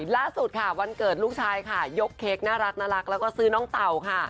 ล่าสุดค่ะวันเกิดลูกชายค่ะยกเค้กน่ารักแล้วก็ซื้อน้องเต่าค่ะ